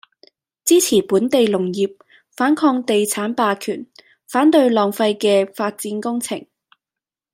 支持本地農業，反抗地產霸權，反對浪費嘅發展工程